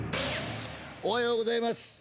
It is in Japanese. おはようございます。